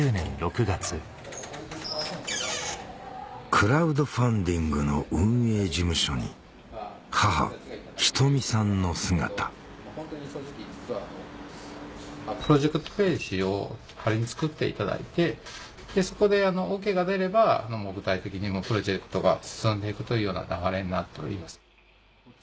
クラウドファンディングの運営事務所に母瞳さんの姿プロジェクトページを仮に作っていただいてそこでＯＫが出れば具体的にプロジェクトが進んで行くというような流れになっております。